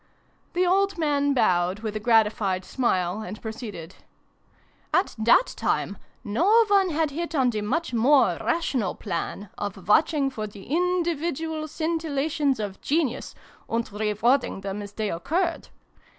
The old man bowed, with a gratified smile, and proceeded. " At that time, no one had hit on the much more rational plan of watch ing for the individual scintillations of genius, and rewarding them as they occurred.